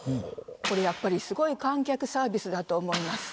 これやっぱりすごい観客サービスだと思います。